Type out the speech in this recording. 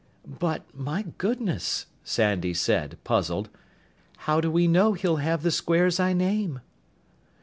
"But, my goodness," Sandy said, puzzled, "how do we know he'll have the squares I name?"